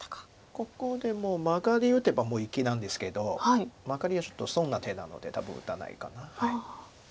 ここでマガリ打てばもう生きなんですけどマガリはちょっと損な手なので多分打たないかな。